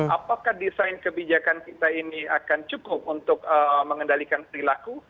apakah desain kebijakan kita ini akan cukup untuk mengendalikan perilaku